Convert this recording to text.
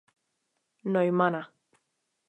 Neumanna.